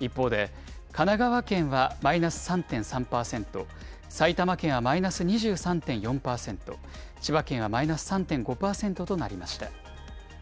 一方で、神奈川県はマイナス３．３％、埼玉県はマイナス２３．４％、千葉県はマイナス３．５％となりました。